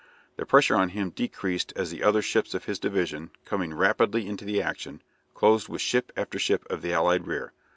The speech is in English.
The pressure on him decreased as the other ships of his division, coming rapidly into action, closed with ship after ship of the allied rear.